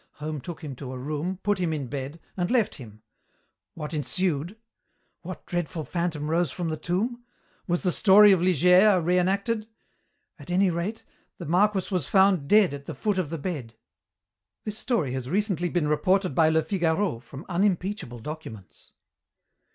Home took him to a room, put him in bed, and left him. What ensued? What dreadful phantom rose from the tomb? Was the story of Ligeia re enacted? At any rate, the marquis was found dead at the foot of the bed. This story has recently been reported by Le Figaro from unimpeachable documents.